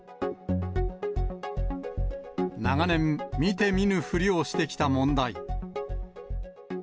長年、見て見ぬふりをしてきた問題。